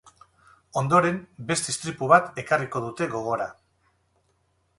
Ondoren, beste istripu bat ekarriko dute gogora.